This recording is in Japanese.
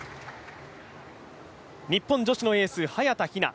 日本女子のエース、早田ひな。